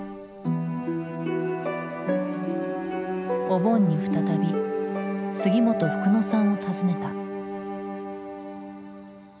お盆に再び杉本フクノさんを訪ねた。